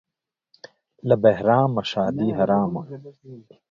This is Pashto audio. له بهرامه ښادي حرامه.